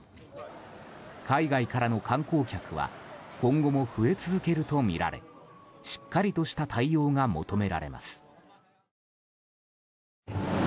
海外からの観光客は今後も増え続けるとみられしっかりとした対応が求められます。